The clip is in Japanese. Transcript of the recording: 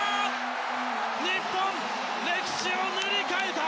日本、歴史を塗り替えた！